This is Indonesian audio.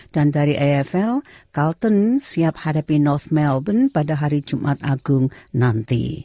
dan dari afl carlton siap hadapi north melbourne pada hari jumat agung nanti